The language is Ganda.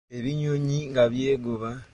Ebinyonyi nga byegoba.